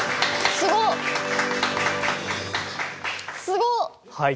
すごっ！